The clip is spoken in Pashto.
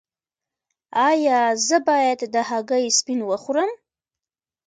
ایا زه باید د هګۍ سپین وخورم؟